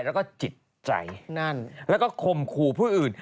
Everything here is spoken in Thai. แล้วก็จิตใจนั่นแล้วก็คมขู่ผู้อื่น